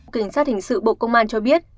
kinh sát hình sự bộ công an cho biết